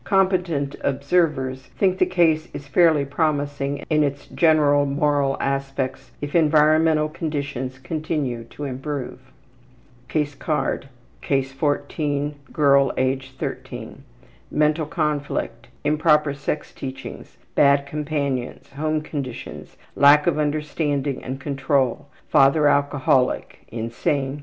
Competent observers think the case is fairly promising in its general moral aspects if environmental conditions continue to improve. Mental conflict. Case 14. Improper sex teachings. Girl, age 13. Bad companions. Home conditions: Lack of understanding and control. Father alcoholic, insane